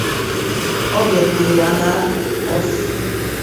Ọ bịarutere Anara-Osu.